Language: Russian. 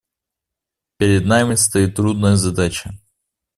Перед нами стоит трудная задача.